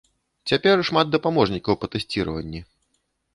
Цяпер шмат дапаможнікаў па тэсціраванні.